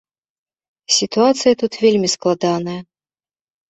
Сітуацыя тут вельмі складаная.